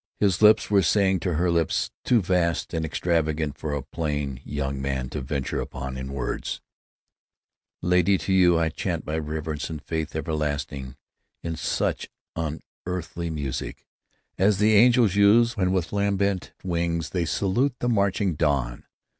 His lips were saying to her things too vast and extravagant for a plain young man to venture upon in words: "Lady, to you I chant my reverence and faith everlasting, in such unearthly music as the angels use when with lambent wings they salute the marching dawn."